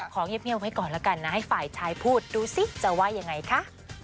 ขอเงียบไว้ก่อนแล้วกันนะให้ฝ่ายชายพูดดูสิจะว่ายังไงคะ